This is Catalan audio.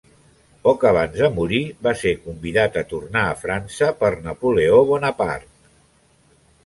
Poc abans de morir va ser convidat a tornar a França per Napoleó Bonaparte.